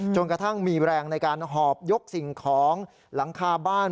จนกระทั่งมีแรงในการหอบยกสิ่งของหลังคาบ้าน